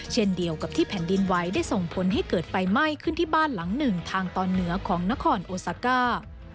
เช่นเดียวกับที่แผ่นดินไหวได้ส่งผลให้เกิดไฟไหม้ขึ้นที่บ้านหลังหนึ่งทางตอนเหนือของนครโอซาก้า